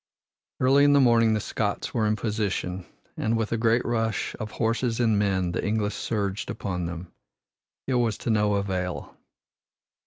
Early in the morning the Scots were in position, and with a great rush of horses and men the English surged upon them. It was to no avail.